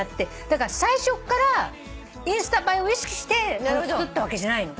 だから最初からインスタ映えを意識してこれを作ったわけじゃないの。